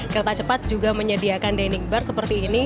kereta cepat juga menyediakan dining bar seperti ini